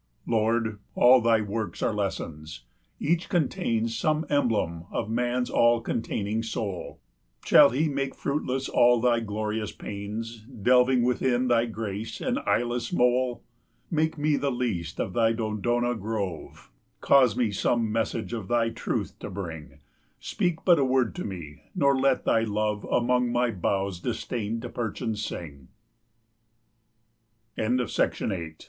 40 Lord! all Thy works are lessons; each contains Some emblem of man's all containing soul; Shall he make fruitless all Thy glorious pains, Delving within Thy grace an eyeless mole? Make me the least of thy Dodona grove, 45 Cause me some message of thy truth to bring, Speak but a word to me, nor let thy love Among my boughs disdain to perch and sing.